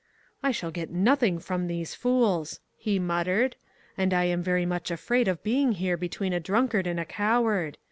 "I shall get nothing from these fools," he muttered; "and I am very much afraid of being here between a drunkard and a coward.